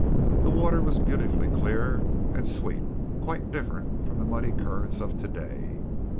The water was beautifully clear and sweet; quite different from the muddy currents of to day.